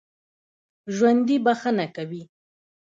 ژوندي بښنه کوي